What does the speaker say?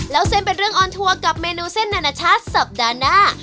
แล้วเส้นเป็นเรื่องออนทัวร์กับเมนูเส้นนานาชาติสัปดาห์หน้า